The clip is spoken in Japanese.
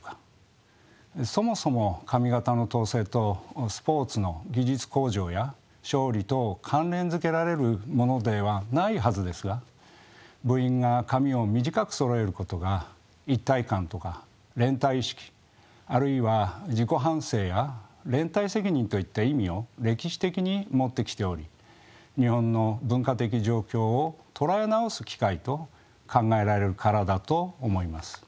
そもそも髪形の統制とスポーツの技術向上や勝利とを関連づけられるものでないはずですが部員が髪を短くそろえることが「一体感」とか「連帯意識」あるいは「自己反省」や「連帯責任」といった意味を歴史的に持ってきており日本の文化的状況を捉え直す機会と考えられるからだと思います。